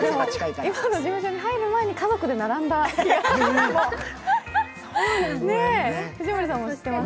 今の事務所に入る前に家族で並んだ記憶があります。